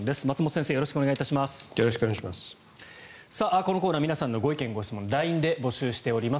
このコーナー皆さんのご意見・ご質問をＬＩＮＥで募集しております。